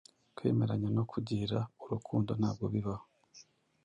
"kwemeranya no kugira urukundo, ntabwo bibaho